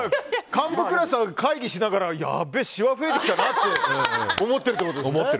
幹部クラスは会議しながらやべえ、しわ増えてきたなって思ってるということですね。